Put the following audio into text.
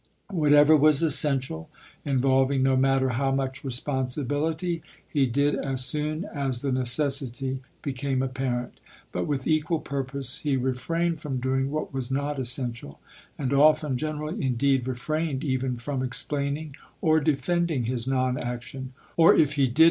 Whatever was essential, involving no matter how much responsibility, he did as soon as the necessity became apparent. But, with equal purpose, he re frained from doing what was not essential ; and often — generally indeed — refrained even from ex plaining or defending his non action ; or if he did Vol.